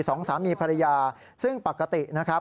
สองสามีภรรยาซึ่งปกตินะครับ